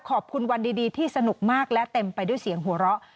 ขอบคุณวันดีที่สนุกมากและเต็มไปด้วยเสียงหัวเราะ